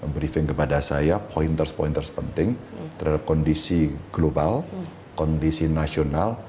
memberi briefing kepada saya poin poin terpenting terhadap kondisi global kondisi nasional